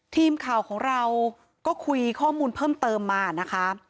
ทีมข่าวของเราก็คุยข้อมูลเพิ่มเติมมานะคะ